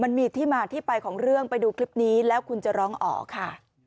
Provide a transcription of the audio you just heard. มันมีที่มาที่ไปของเรื่องไปดูคลิปนี้แล้วคุณจะร้องอ๋อค่ะ